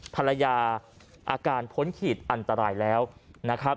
ภรรยาอาการพ้นขีดอันตรายแล้วนะครับ